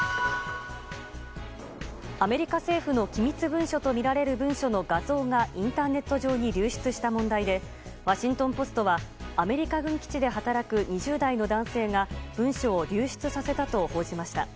アメリカ政府の機密文書とみられる文書の画像がインターネット上に流出した問題でワシントン・ポストはアメリカ軍基地で働く２０代の男性が文書を流出させたと報じました。